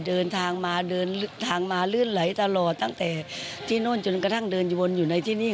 เดินทางมาเดินทางมาลื่นไหลตลอดตั้งแต่ที่โน่นจนกระทั่งเดินวนอยู่ในที่นี่